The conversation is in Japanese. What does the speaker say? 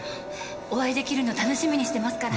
お会い出来るの楽しみにしてますから。